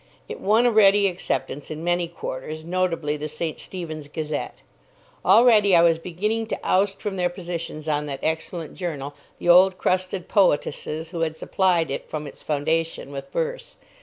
It won a ready acceptance in many quarters, notably the St. Stephen's Gazette. Already I was beginning to oust from their positions on that excellent journal the old crusted poetesses who had supplied it from its foundation with verse.